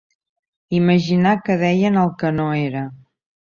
Imaginar que deien el que no era.